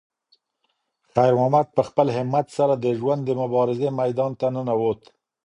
خیر محمد په خپل همت سره د ژوند د مبارزې میدان ته ننووت.